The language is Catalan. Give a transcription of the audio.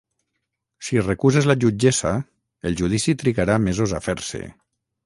Si recuses la jutgessa, el judici trigarà mesos a fer-se.